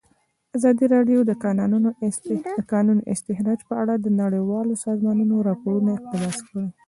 ازادي راډیو د د کانونو استخراج په اړه د نړیوالو سازمانونو راپورونه اقتباس کړي.